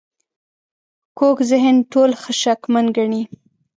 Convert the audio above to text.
کوږ ذهن ټول ښه شکمن ګڼي